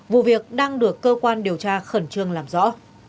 vụ việc đang được cơ quan điều tra khẩn trương làm rõ